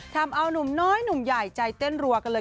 ทำเอานุ่มน้อยหนุ่มใหญ่ใจเต้นรัวกันเลย